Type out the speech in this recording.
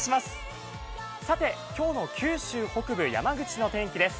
さて、今日の九州北部、山口の天気です。